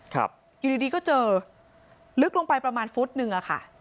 ครับอยู่ดีดีก็เจอลึกลงไปประมาณฟุตหนึ่งอะค่ะ